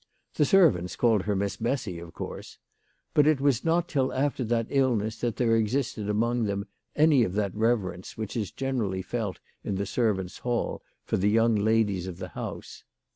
The servants called her Miss Bessy, of course ; but it was not till after that illness that there existed among them any of that reverence which is generally felt in the servants' hall for the young ladies of the house.